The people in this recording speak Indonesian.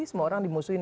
semua orang dimusuhin